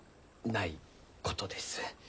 ないことです。